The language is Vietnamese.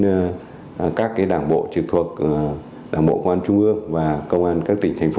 với một nhiệm vụ xây dựng đảng xây dựng lực lượng công an nhân dân trong sạch vững mạnh